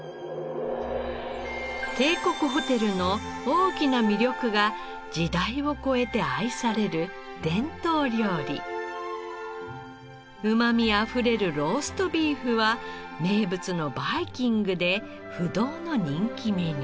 帝国ホテルの大きな魅力がうまみあふれるローストビーフは名物のバイキングで不動の人気メニュー。